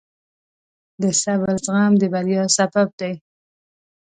د صبر زغم د بریا سبب دی.